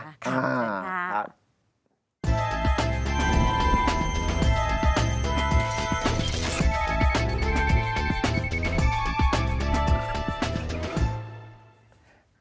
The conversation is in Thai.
ขอบคุณครับ